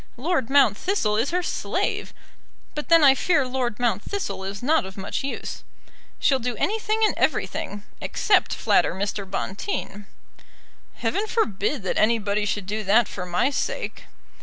Lord Mount Thistle is her slave, but then I fear Lord Mount Thistle is not of much use. She'll do anything and everything, except flatter Mr. Bonteen." "Heaven forbid that anybody should do that for my sake."